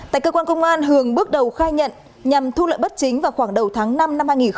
tại cơ quan công an hường bước đầu khai nhận nhằm thu lợi bất chính vào khoảng đầu tháng năm năm hai nghìn hai mươi